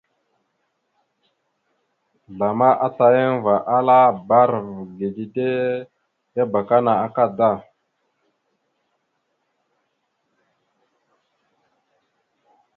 Zlama atayaŋva ala: « Bba arav ge dide ya abakana akada, ».